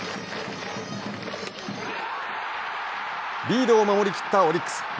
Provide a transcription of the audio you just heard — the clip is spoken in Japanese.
リードを守り切ったオリックス。